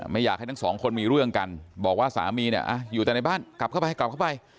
ไม่อยากให้ทั้งสองคนมีเรื่องกันบอกว่าสามีอยู่ในบ้านกลับเข้าไป